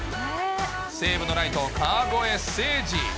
西武のライト、川越誠司。